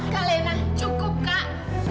kak lena cukup kak